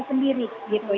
urusan kita sendiri